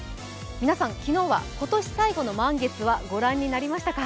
皆さん、昨日は今年最後の満月はご覧になりましたか？